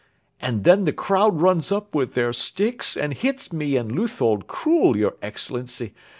And then the crowd runs up with their sticks and hits me and Leuthold cruel, your Excellency.